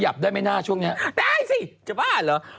ได้ไหมนะช่วงนี้ได้สิจะบ้าเหรอ